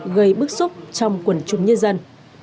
gây bức xúc trong quần chúng nhân dân